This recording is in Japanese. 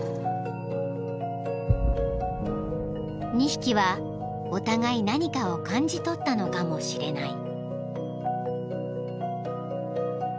［２匹はお互い何かを感じ取ったのかもしれない］